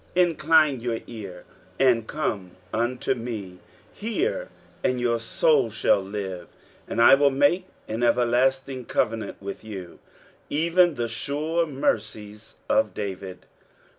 23:055:003 Incline your ear, and come unto me: hear, and your soul shall live; and I will make an everlasting covenant with you, even the sure mercies of David.